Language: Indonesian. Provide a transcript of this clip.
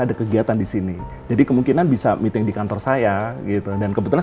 ada kegiatan di sini jadi kemungkinan bisa meeting di kantor saya gitu dan kebetulan